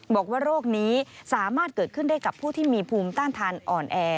บอกว่าโรคนี้สามารถเกิดขึ้นได้กับผู้ที่มีภูมิต้านทานอ่อนแอ